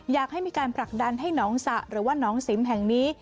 อยากให้มีการผลักดันให้น้องสะหรือว่าน้องสิมแห่งนี้